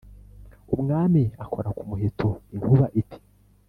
umwami akora ku muheto, inkuba iti: